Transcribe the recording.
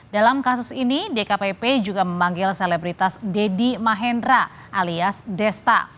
dalam kasus ini dkpp juga memanggil selebritas deddy mahendra alias desta